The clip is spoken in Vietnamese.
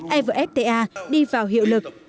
evfta đi vào hiệu lực